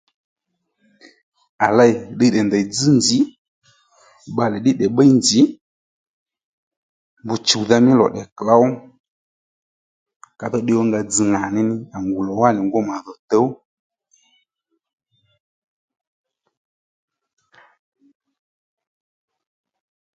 À lêy ddiy tdè ndèy dzź nzǐ bbalè ddí tdè bbiy nzǐ mb chùwdha mí lò tdè klǒw ka dho ddiy ó nga dzz ŋà ní ní à ngù lò wá nì ngû màdho tǔw